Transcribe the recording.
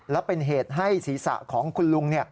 และเป็นเหตุให้ศีรษะของคุณลุง